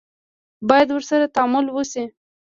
باید ورسره تعامل وشي.